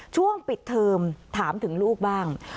ช่วงปิดเทอมถามถึงลูกบ้าง